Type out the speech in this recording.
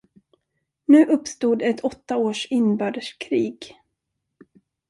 Nu uppstod ett åtta års inbördeskrig.